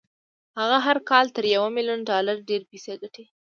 هغه هر کال تر يوه ميليون ډالر ډېرې پيسې ګټي.